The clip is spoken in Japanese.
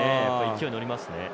勢い乗りますね。